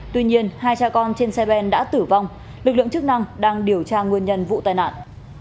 tuy nhiên hai cha con trên xe ben đã tử vong lực lượng chức năng đang điều tra nguyên nhân vụ tai nạn